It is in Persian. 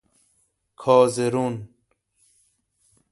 کازرون